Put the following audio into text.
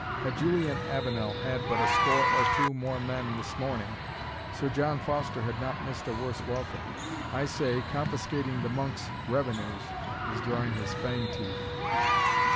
Had Julian Avenel had but a score or two more men this morning, Sir John Foster had not missed a worse welcome. I say, confiscating the monk's revenues is drawing his fang teeth."